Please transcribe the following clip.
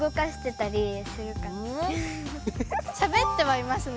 しゃべってはいますね。